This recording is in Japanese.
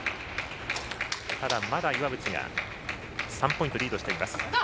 ただ、まだ岩渕が３ポイントリードしています。